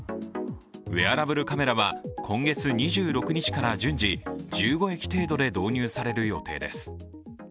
ウェアラブルカメラは今月２６日から順次、１５駅程度で導入される予定です。